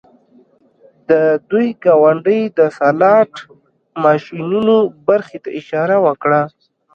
د دوی ګاونډۍ د سلاټ ماشینونو برخې ته اشاره وکړه